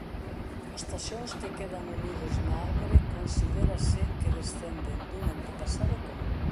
Os taxons que quedan unidos na árbore considérase que descenden dun antepasado común.